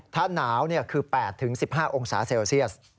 ถ้าหนาวคือ๘๑๕องศาเซลเซียส